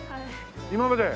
今まで？